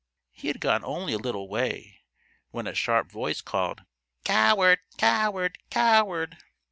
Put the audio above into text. He had gone only a little way when a sharp voice called: "Coward! Coward! Coward!"